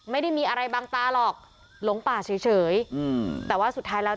ไม่ได้มีอะไรบางตาหรอกหลงป่าเฉยเฉยอืมแต่ว่าสุดท้ายแล้ว